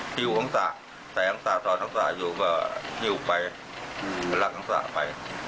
หิวอังษะแต่อังษะตอนอังษะอยู่ก็หิวไปรักอังษะไป